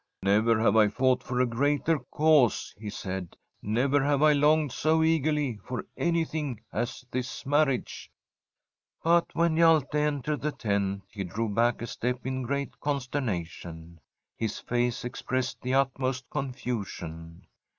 ' Never have I fought for a greater cause/ he said. ' Never have I longed so eagerly for any thing as this marriage.' But when Hjalte entered the tent, he drew back a step in great consternation. His face ex pressed the utmost confusion.